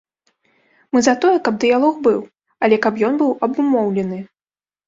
Мы за тое, каб дыялог быў, але каб ён быў абумоўлены.